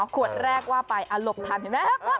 ขวดแรกว่าไปหลบทันเห็นไหม